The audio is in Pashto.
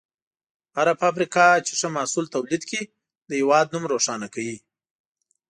هره فابریکه چې ښه محصول تولید کړي، د هېواد نوم روښانه کوي.